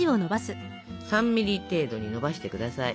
３ミリ程度にのばして下さい。